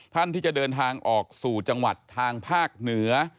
ท่านที่จะเดินทางออกสู่จังหวัดทางภาคเหนือ